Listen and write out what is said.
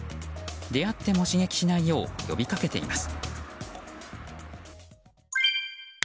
出会っても刺激しないよう呼びかけています。